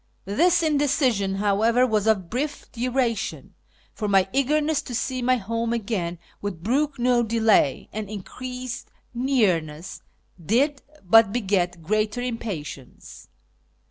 This indecision, however, was of brief duration, for my eagerness to see my home again would brook no delay, and increased nearness did but beget greater impatience.